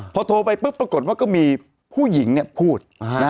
พอโทรไปปุ๊บปรากฏว่าก็มีผู้หญิงพูด